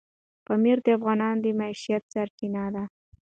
پامیر د افغانانو د معیشت سرچینه ده.